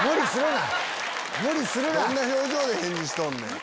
どんな表情で返事しとんねん！